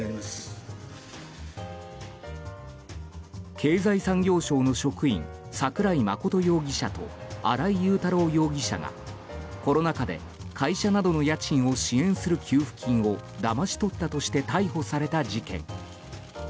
経済産業省の職員桜井真容疑者と新井雄太郎容疑者がコロナ禍で会社などの家賃を支援する給付金をだまし取ったとして逮捕された事件。